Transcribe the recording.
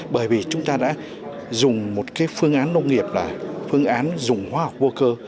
bởi vì chúng ta đã dùng một phương án nông nghiệp là phương án dùng hóa học vô cơ